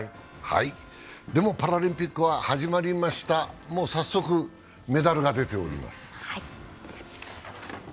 でもパラリンピックは始まりました、早速、メダルが出ております。